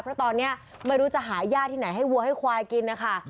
เพราะตอนนี้ไม่รู้จะหาย่าที่ไหนให้วัวให้ควายกินนะคะ